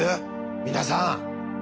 皆さん。